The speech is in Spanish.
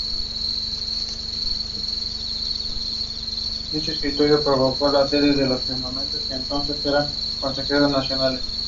Habita cerca del agua dulce, salobre o salada.